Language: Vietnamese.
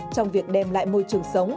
trong việc đem lại môi trường sống